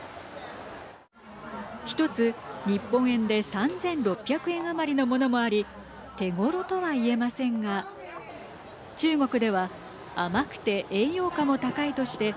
１つ、日本円で３６００円余りのものもあり手ごろとはいえませんが中国では甘くて栄養価も高いとして